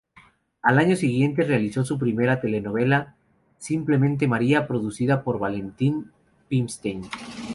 Al año siguiente realizó su primera telenovela, "Simplemente María", producida por Valentín Pimstein.